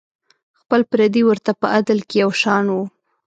خپل پردي ورته په عدل کې یو شان وو.